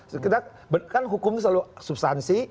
teriak teriak itu selalu substansi